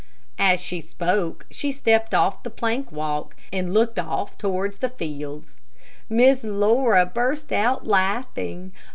As she spoke she stepped off the plank walk, and looked off towards, the fields. Miss Laura burst out laughing.